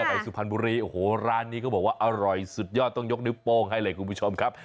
ไปสุพรรณบุรีโอ้โหร้านนี้เขาบอกว่าอร่อยสุดยอดต้องยกนิ้วโป้งให้เลยคุณผู้ชมครับ